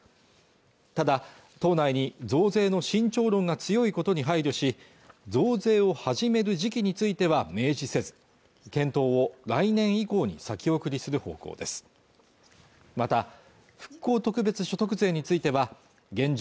ただ党内に増税への慎重論が強いことに配慮し増税を始める時期については明示せず検討を来年以降に先送りする方向ですまた復興特別所得税については現状